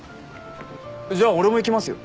じゃあ俺も行きますよ。